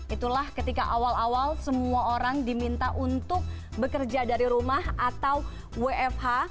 itulah ketika awal awal semua orang diminta untuk bekerja dari rumah atau wfh